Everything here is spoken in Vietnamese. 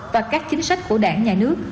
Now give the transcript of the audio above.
và các chính sách của đảng nhà nước